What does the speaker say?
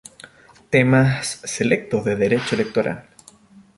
Temas Selectos de Derecho Electoral.